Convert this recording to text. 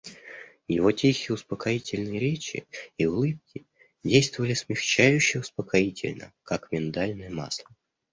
Его тихие успокоительные речи и улыбки действовали смягчающе успокоительно, как миндальное масло.